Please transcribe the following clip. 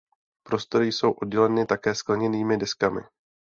Prostory jsou odděleny také skleněnými deskami.